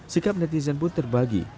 sikap netizen pun terbagi